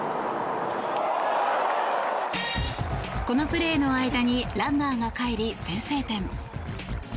このプレーの間にランナーがかえり先制点。